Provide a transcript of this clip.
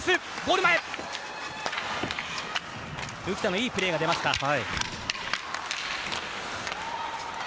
浮田のいいプレーが出ました。